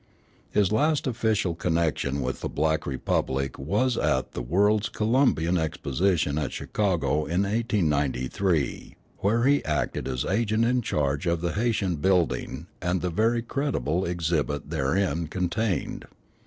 His last official connection with the Black Republic was at the World's Columbian Exposition at Chicago in 1893, where he acted as agent in charge of the Haytian Building and the very creditable exhibit therein contained.